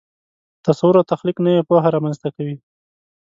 تصور او تخلیق نوې پوهه رامنځته کوي.